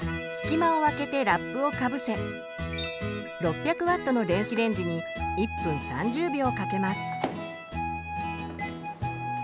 隙間をあけてラップをかぶせ６００Ｗの電子レンジに１分３０秒かけます。